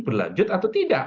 berlanjut atau tidak